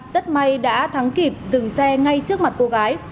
rất may đã thắng kịp dừng xe ngay trước mặt cô gái